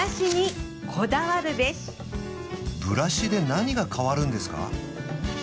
ブラシで何が変わるんですか？